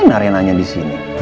gimana renanya di sini